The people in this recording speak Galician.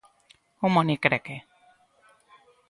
Un monicreque.